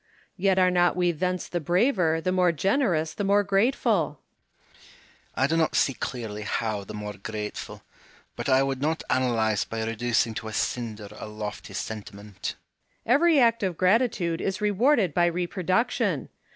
Yet are not we thence the braver, the more generous, the more grateful 1 Hume. I do not see clearly how the more grateful ; but I would not analyse by reducing to a cinder a lofty sentiment. Home. Every act of gratitude is rewarded by reproduc tion.